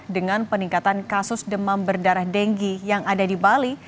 dengan peningkatan kasus demam berdarah denggi yang ada di bali